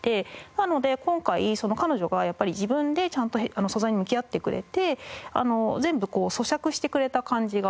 なので今回彼女がやっぱり自分でちゃんと素材に向き合ってくれて全部咀嚼してくれた感じがあって。